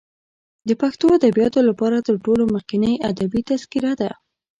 د پښتو ادبیاتو لپاره تر ټولو مخکنۍ ادبي تذکره ده.